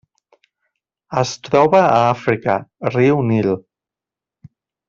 Es troba a Àfrica: riu Nil.